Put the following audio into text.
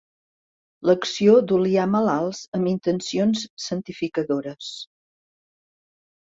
L'acció d'oliar malalts amb intencions santificadores.